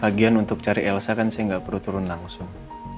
bagian untuk cari elsa kan saya nggak perlu turun langsung